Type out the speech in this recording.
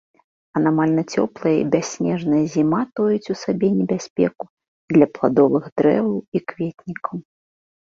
Анамальна цёплая і бясснежная зіма тоіць у сабе небяспеку для пладовых дрэваў і кветнікаў.